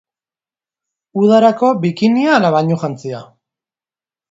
Udarako, bikinia ala bainujantzia?